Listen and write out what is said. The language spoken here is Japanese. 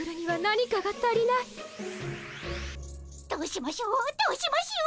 どうしましょうどうしましょう。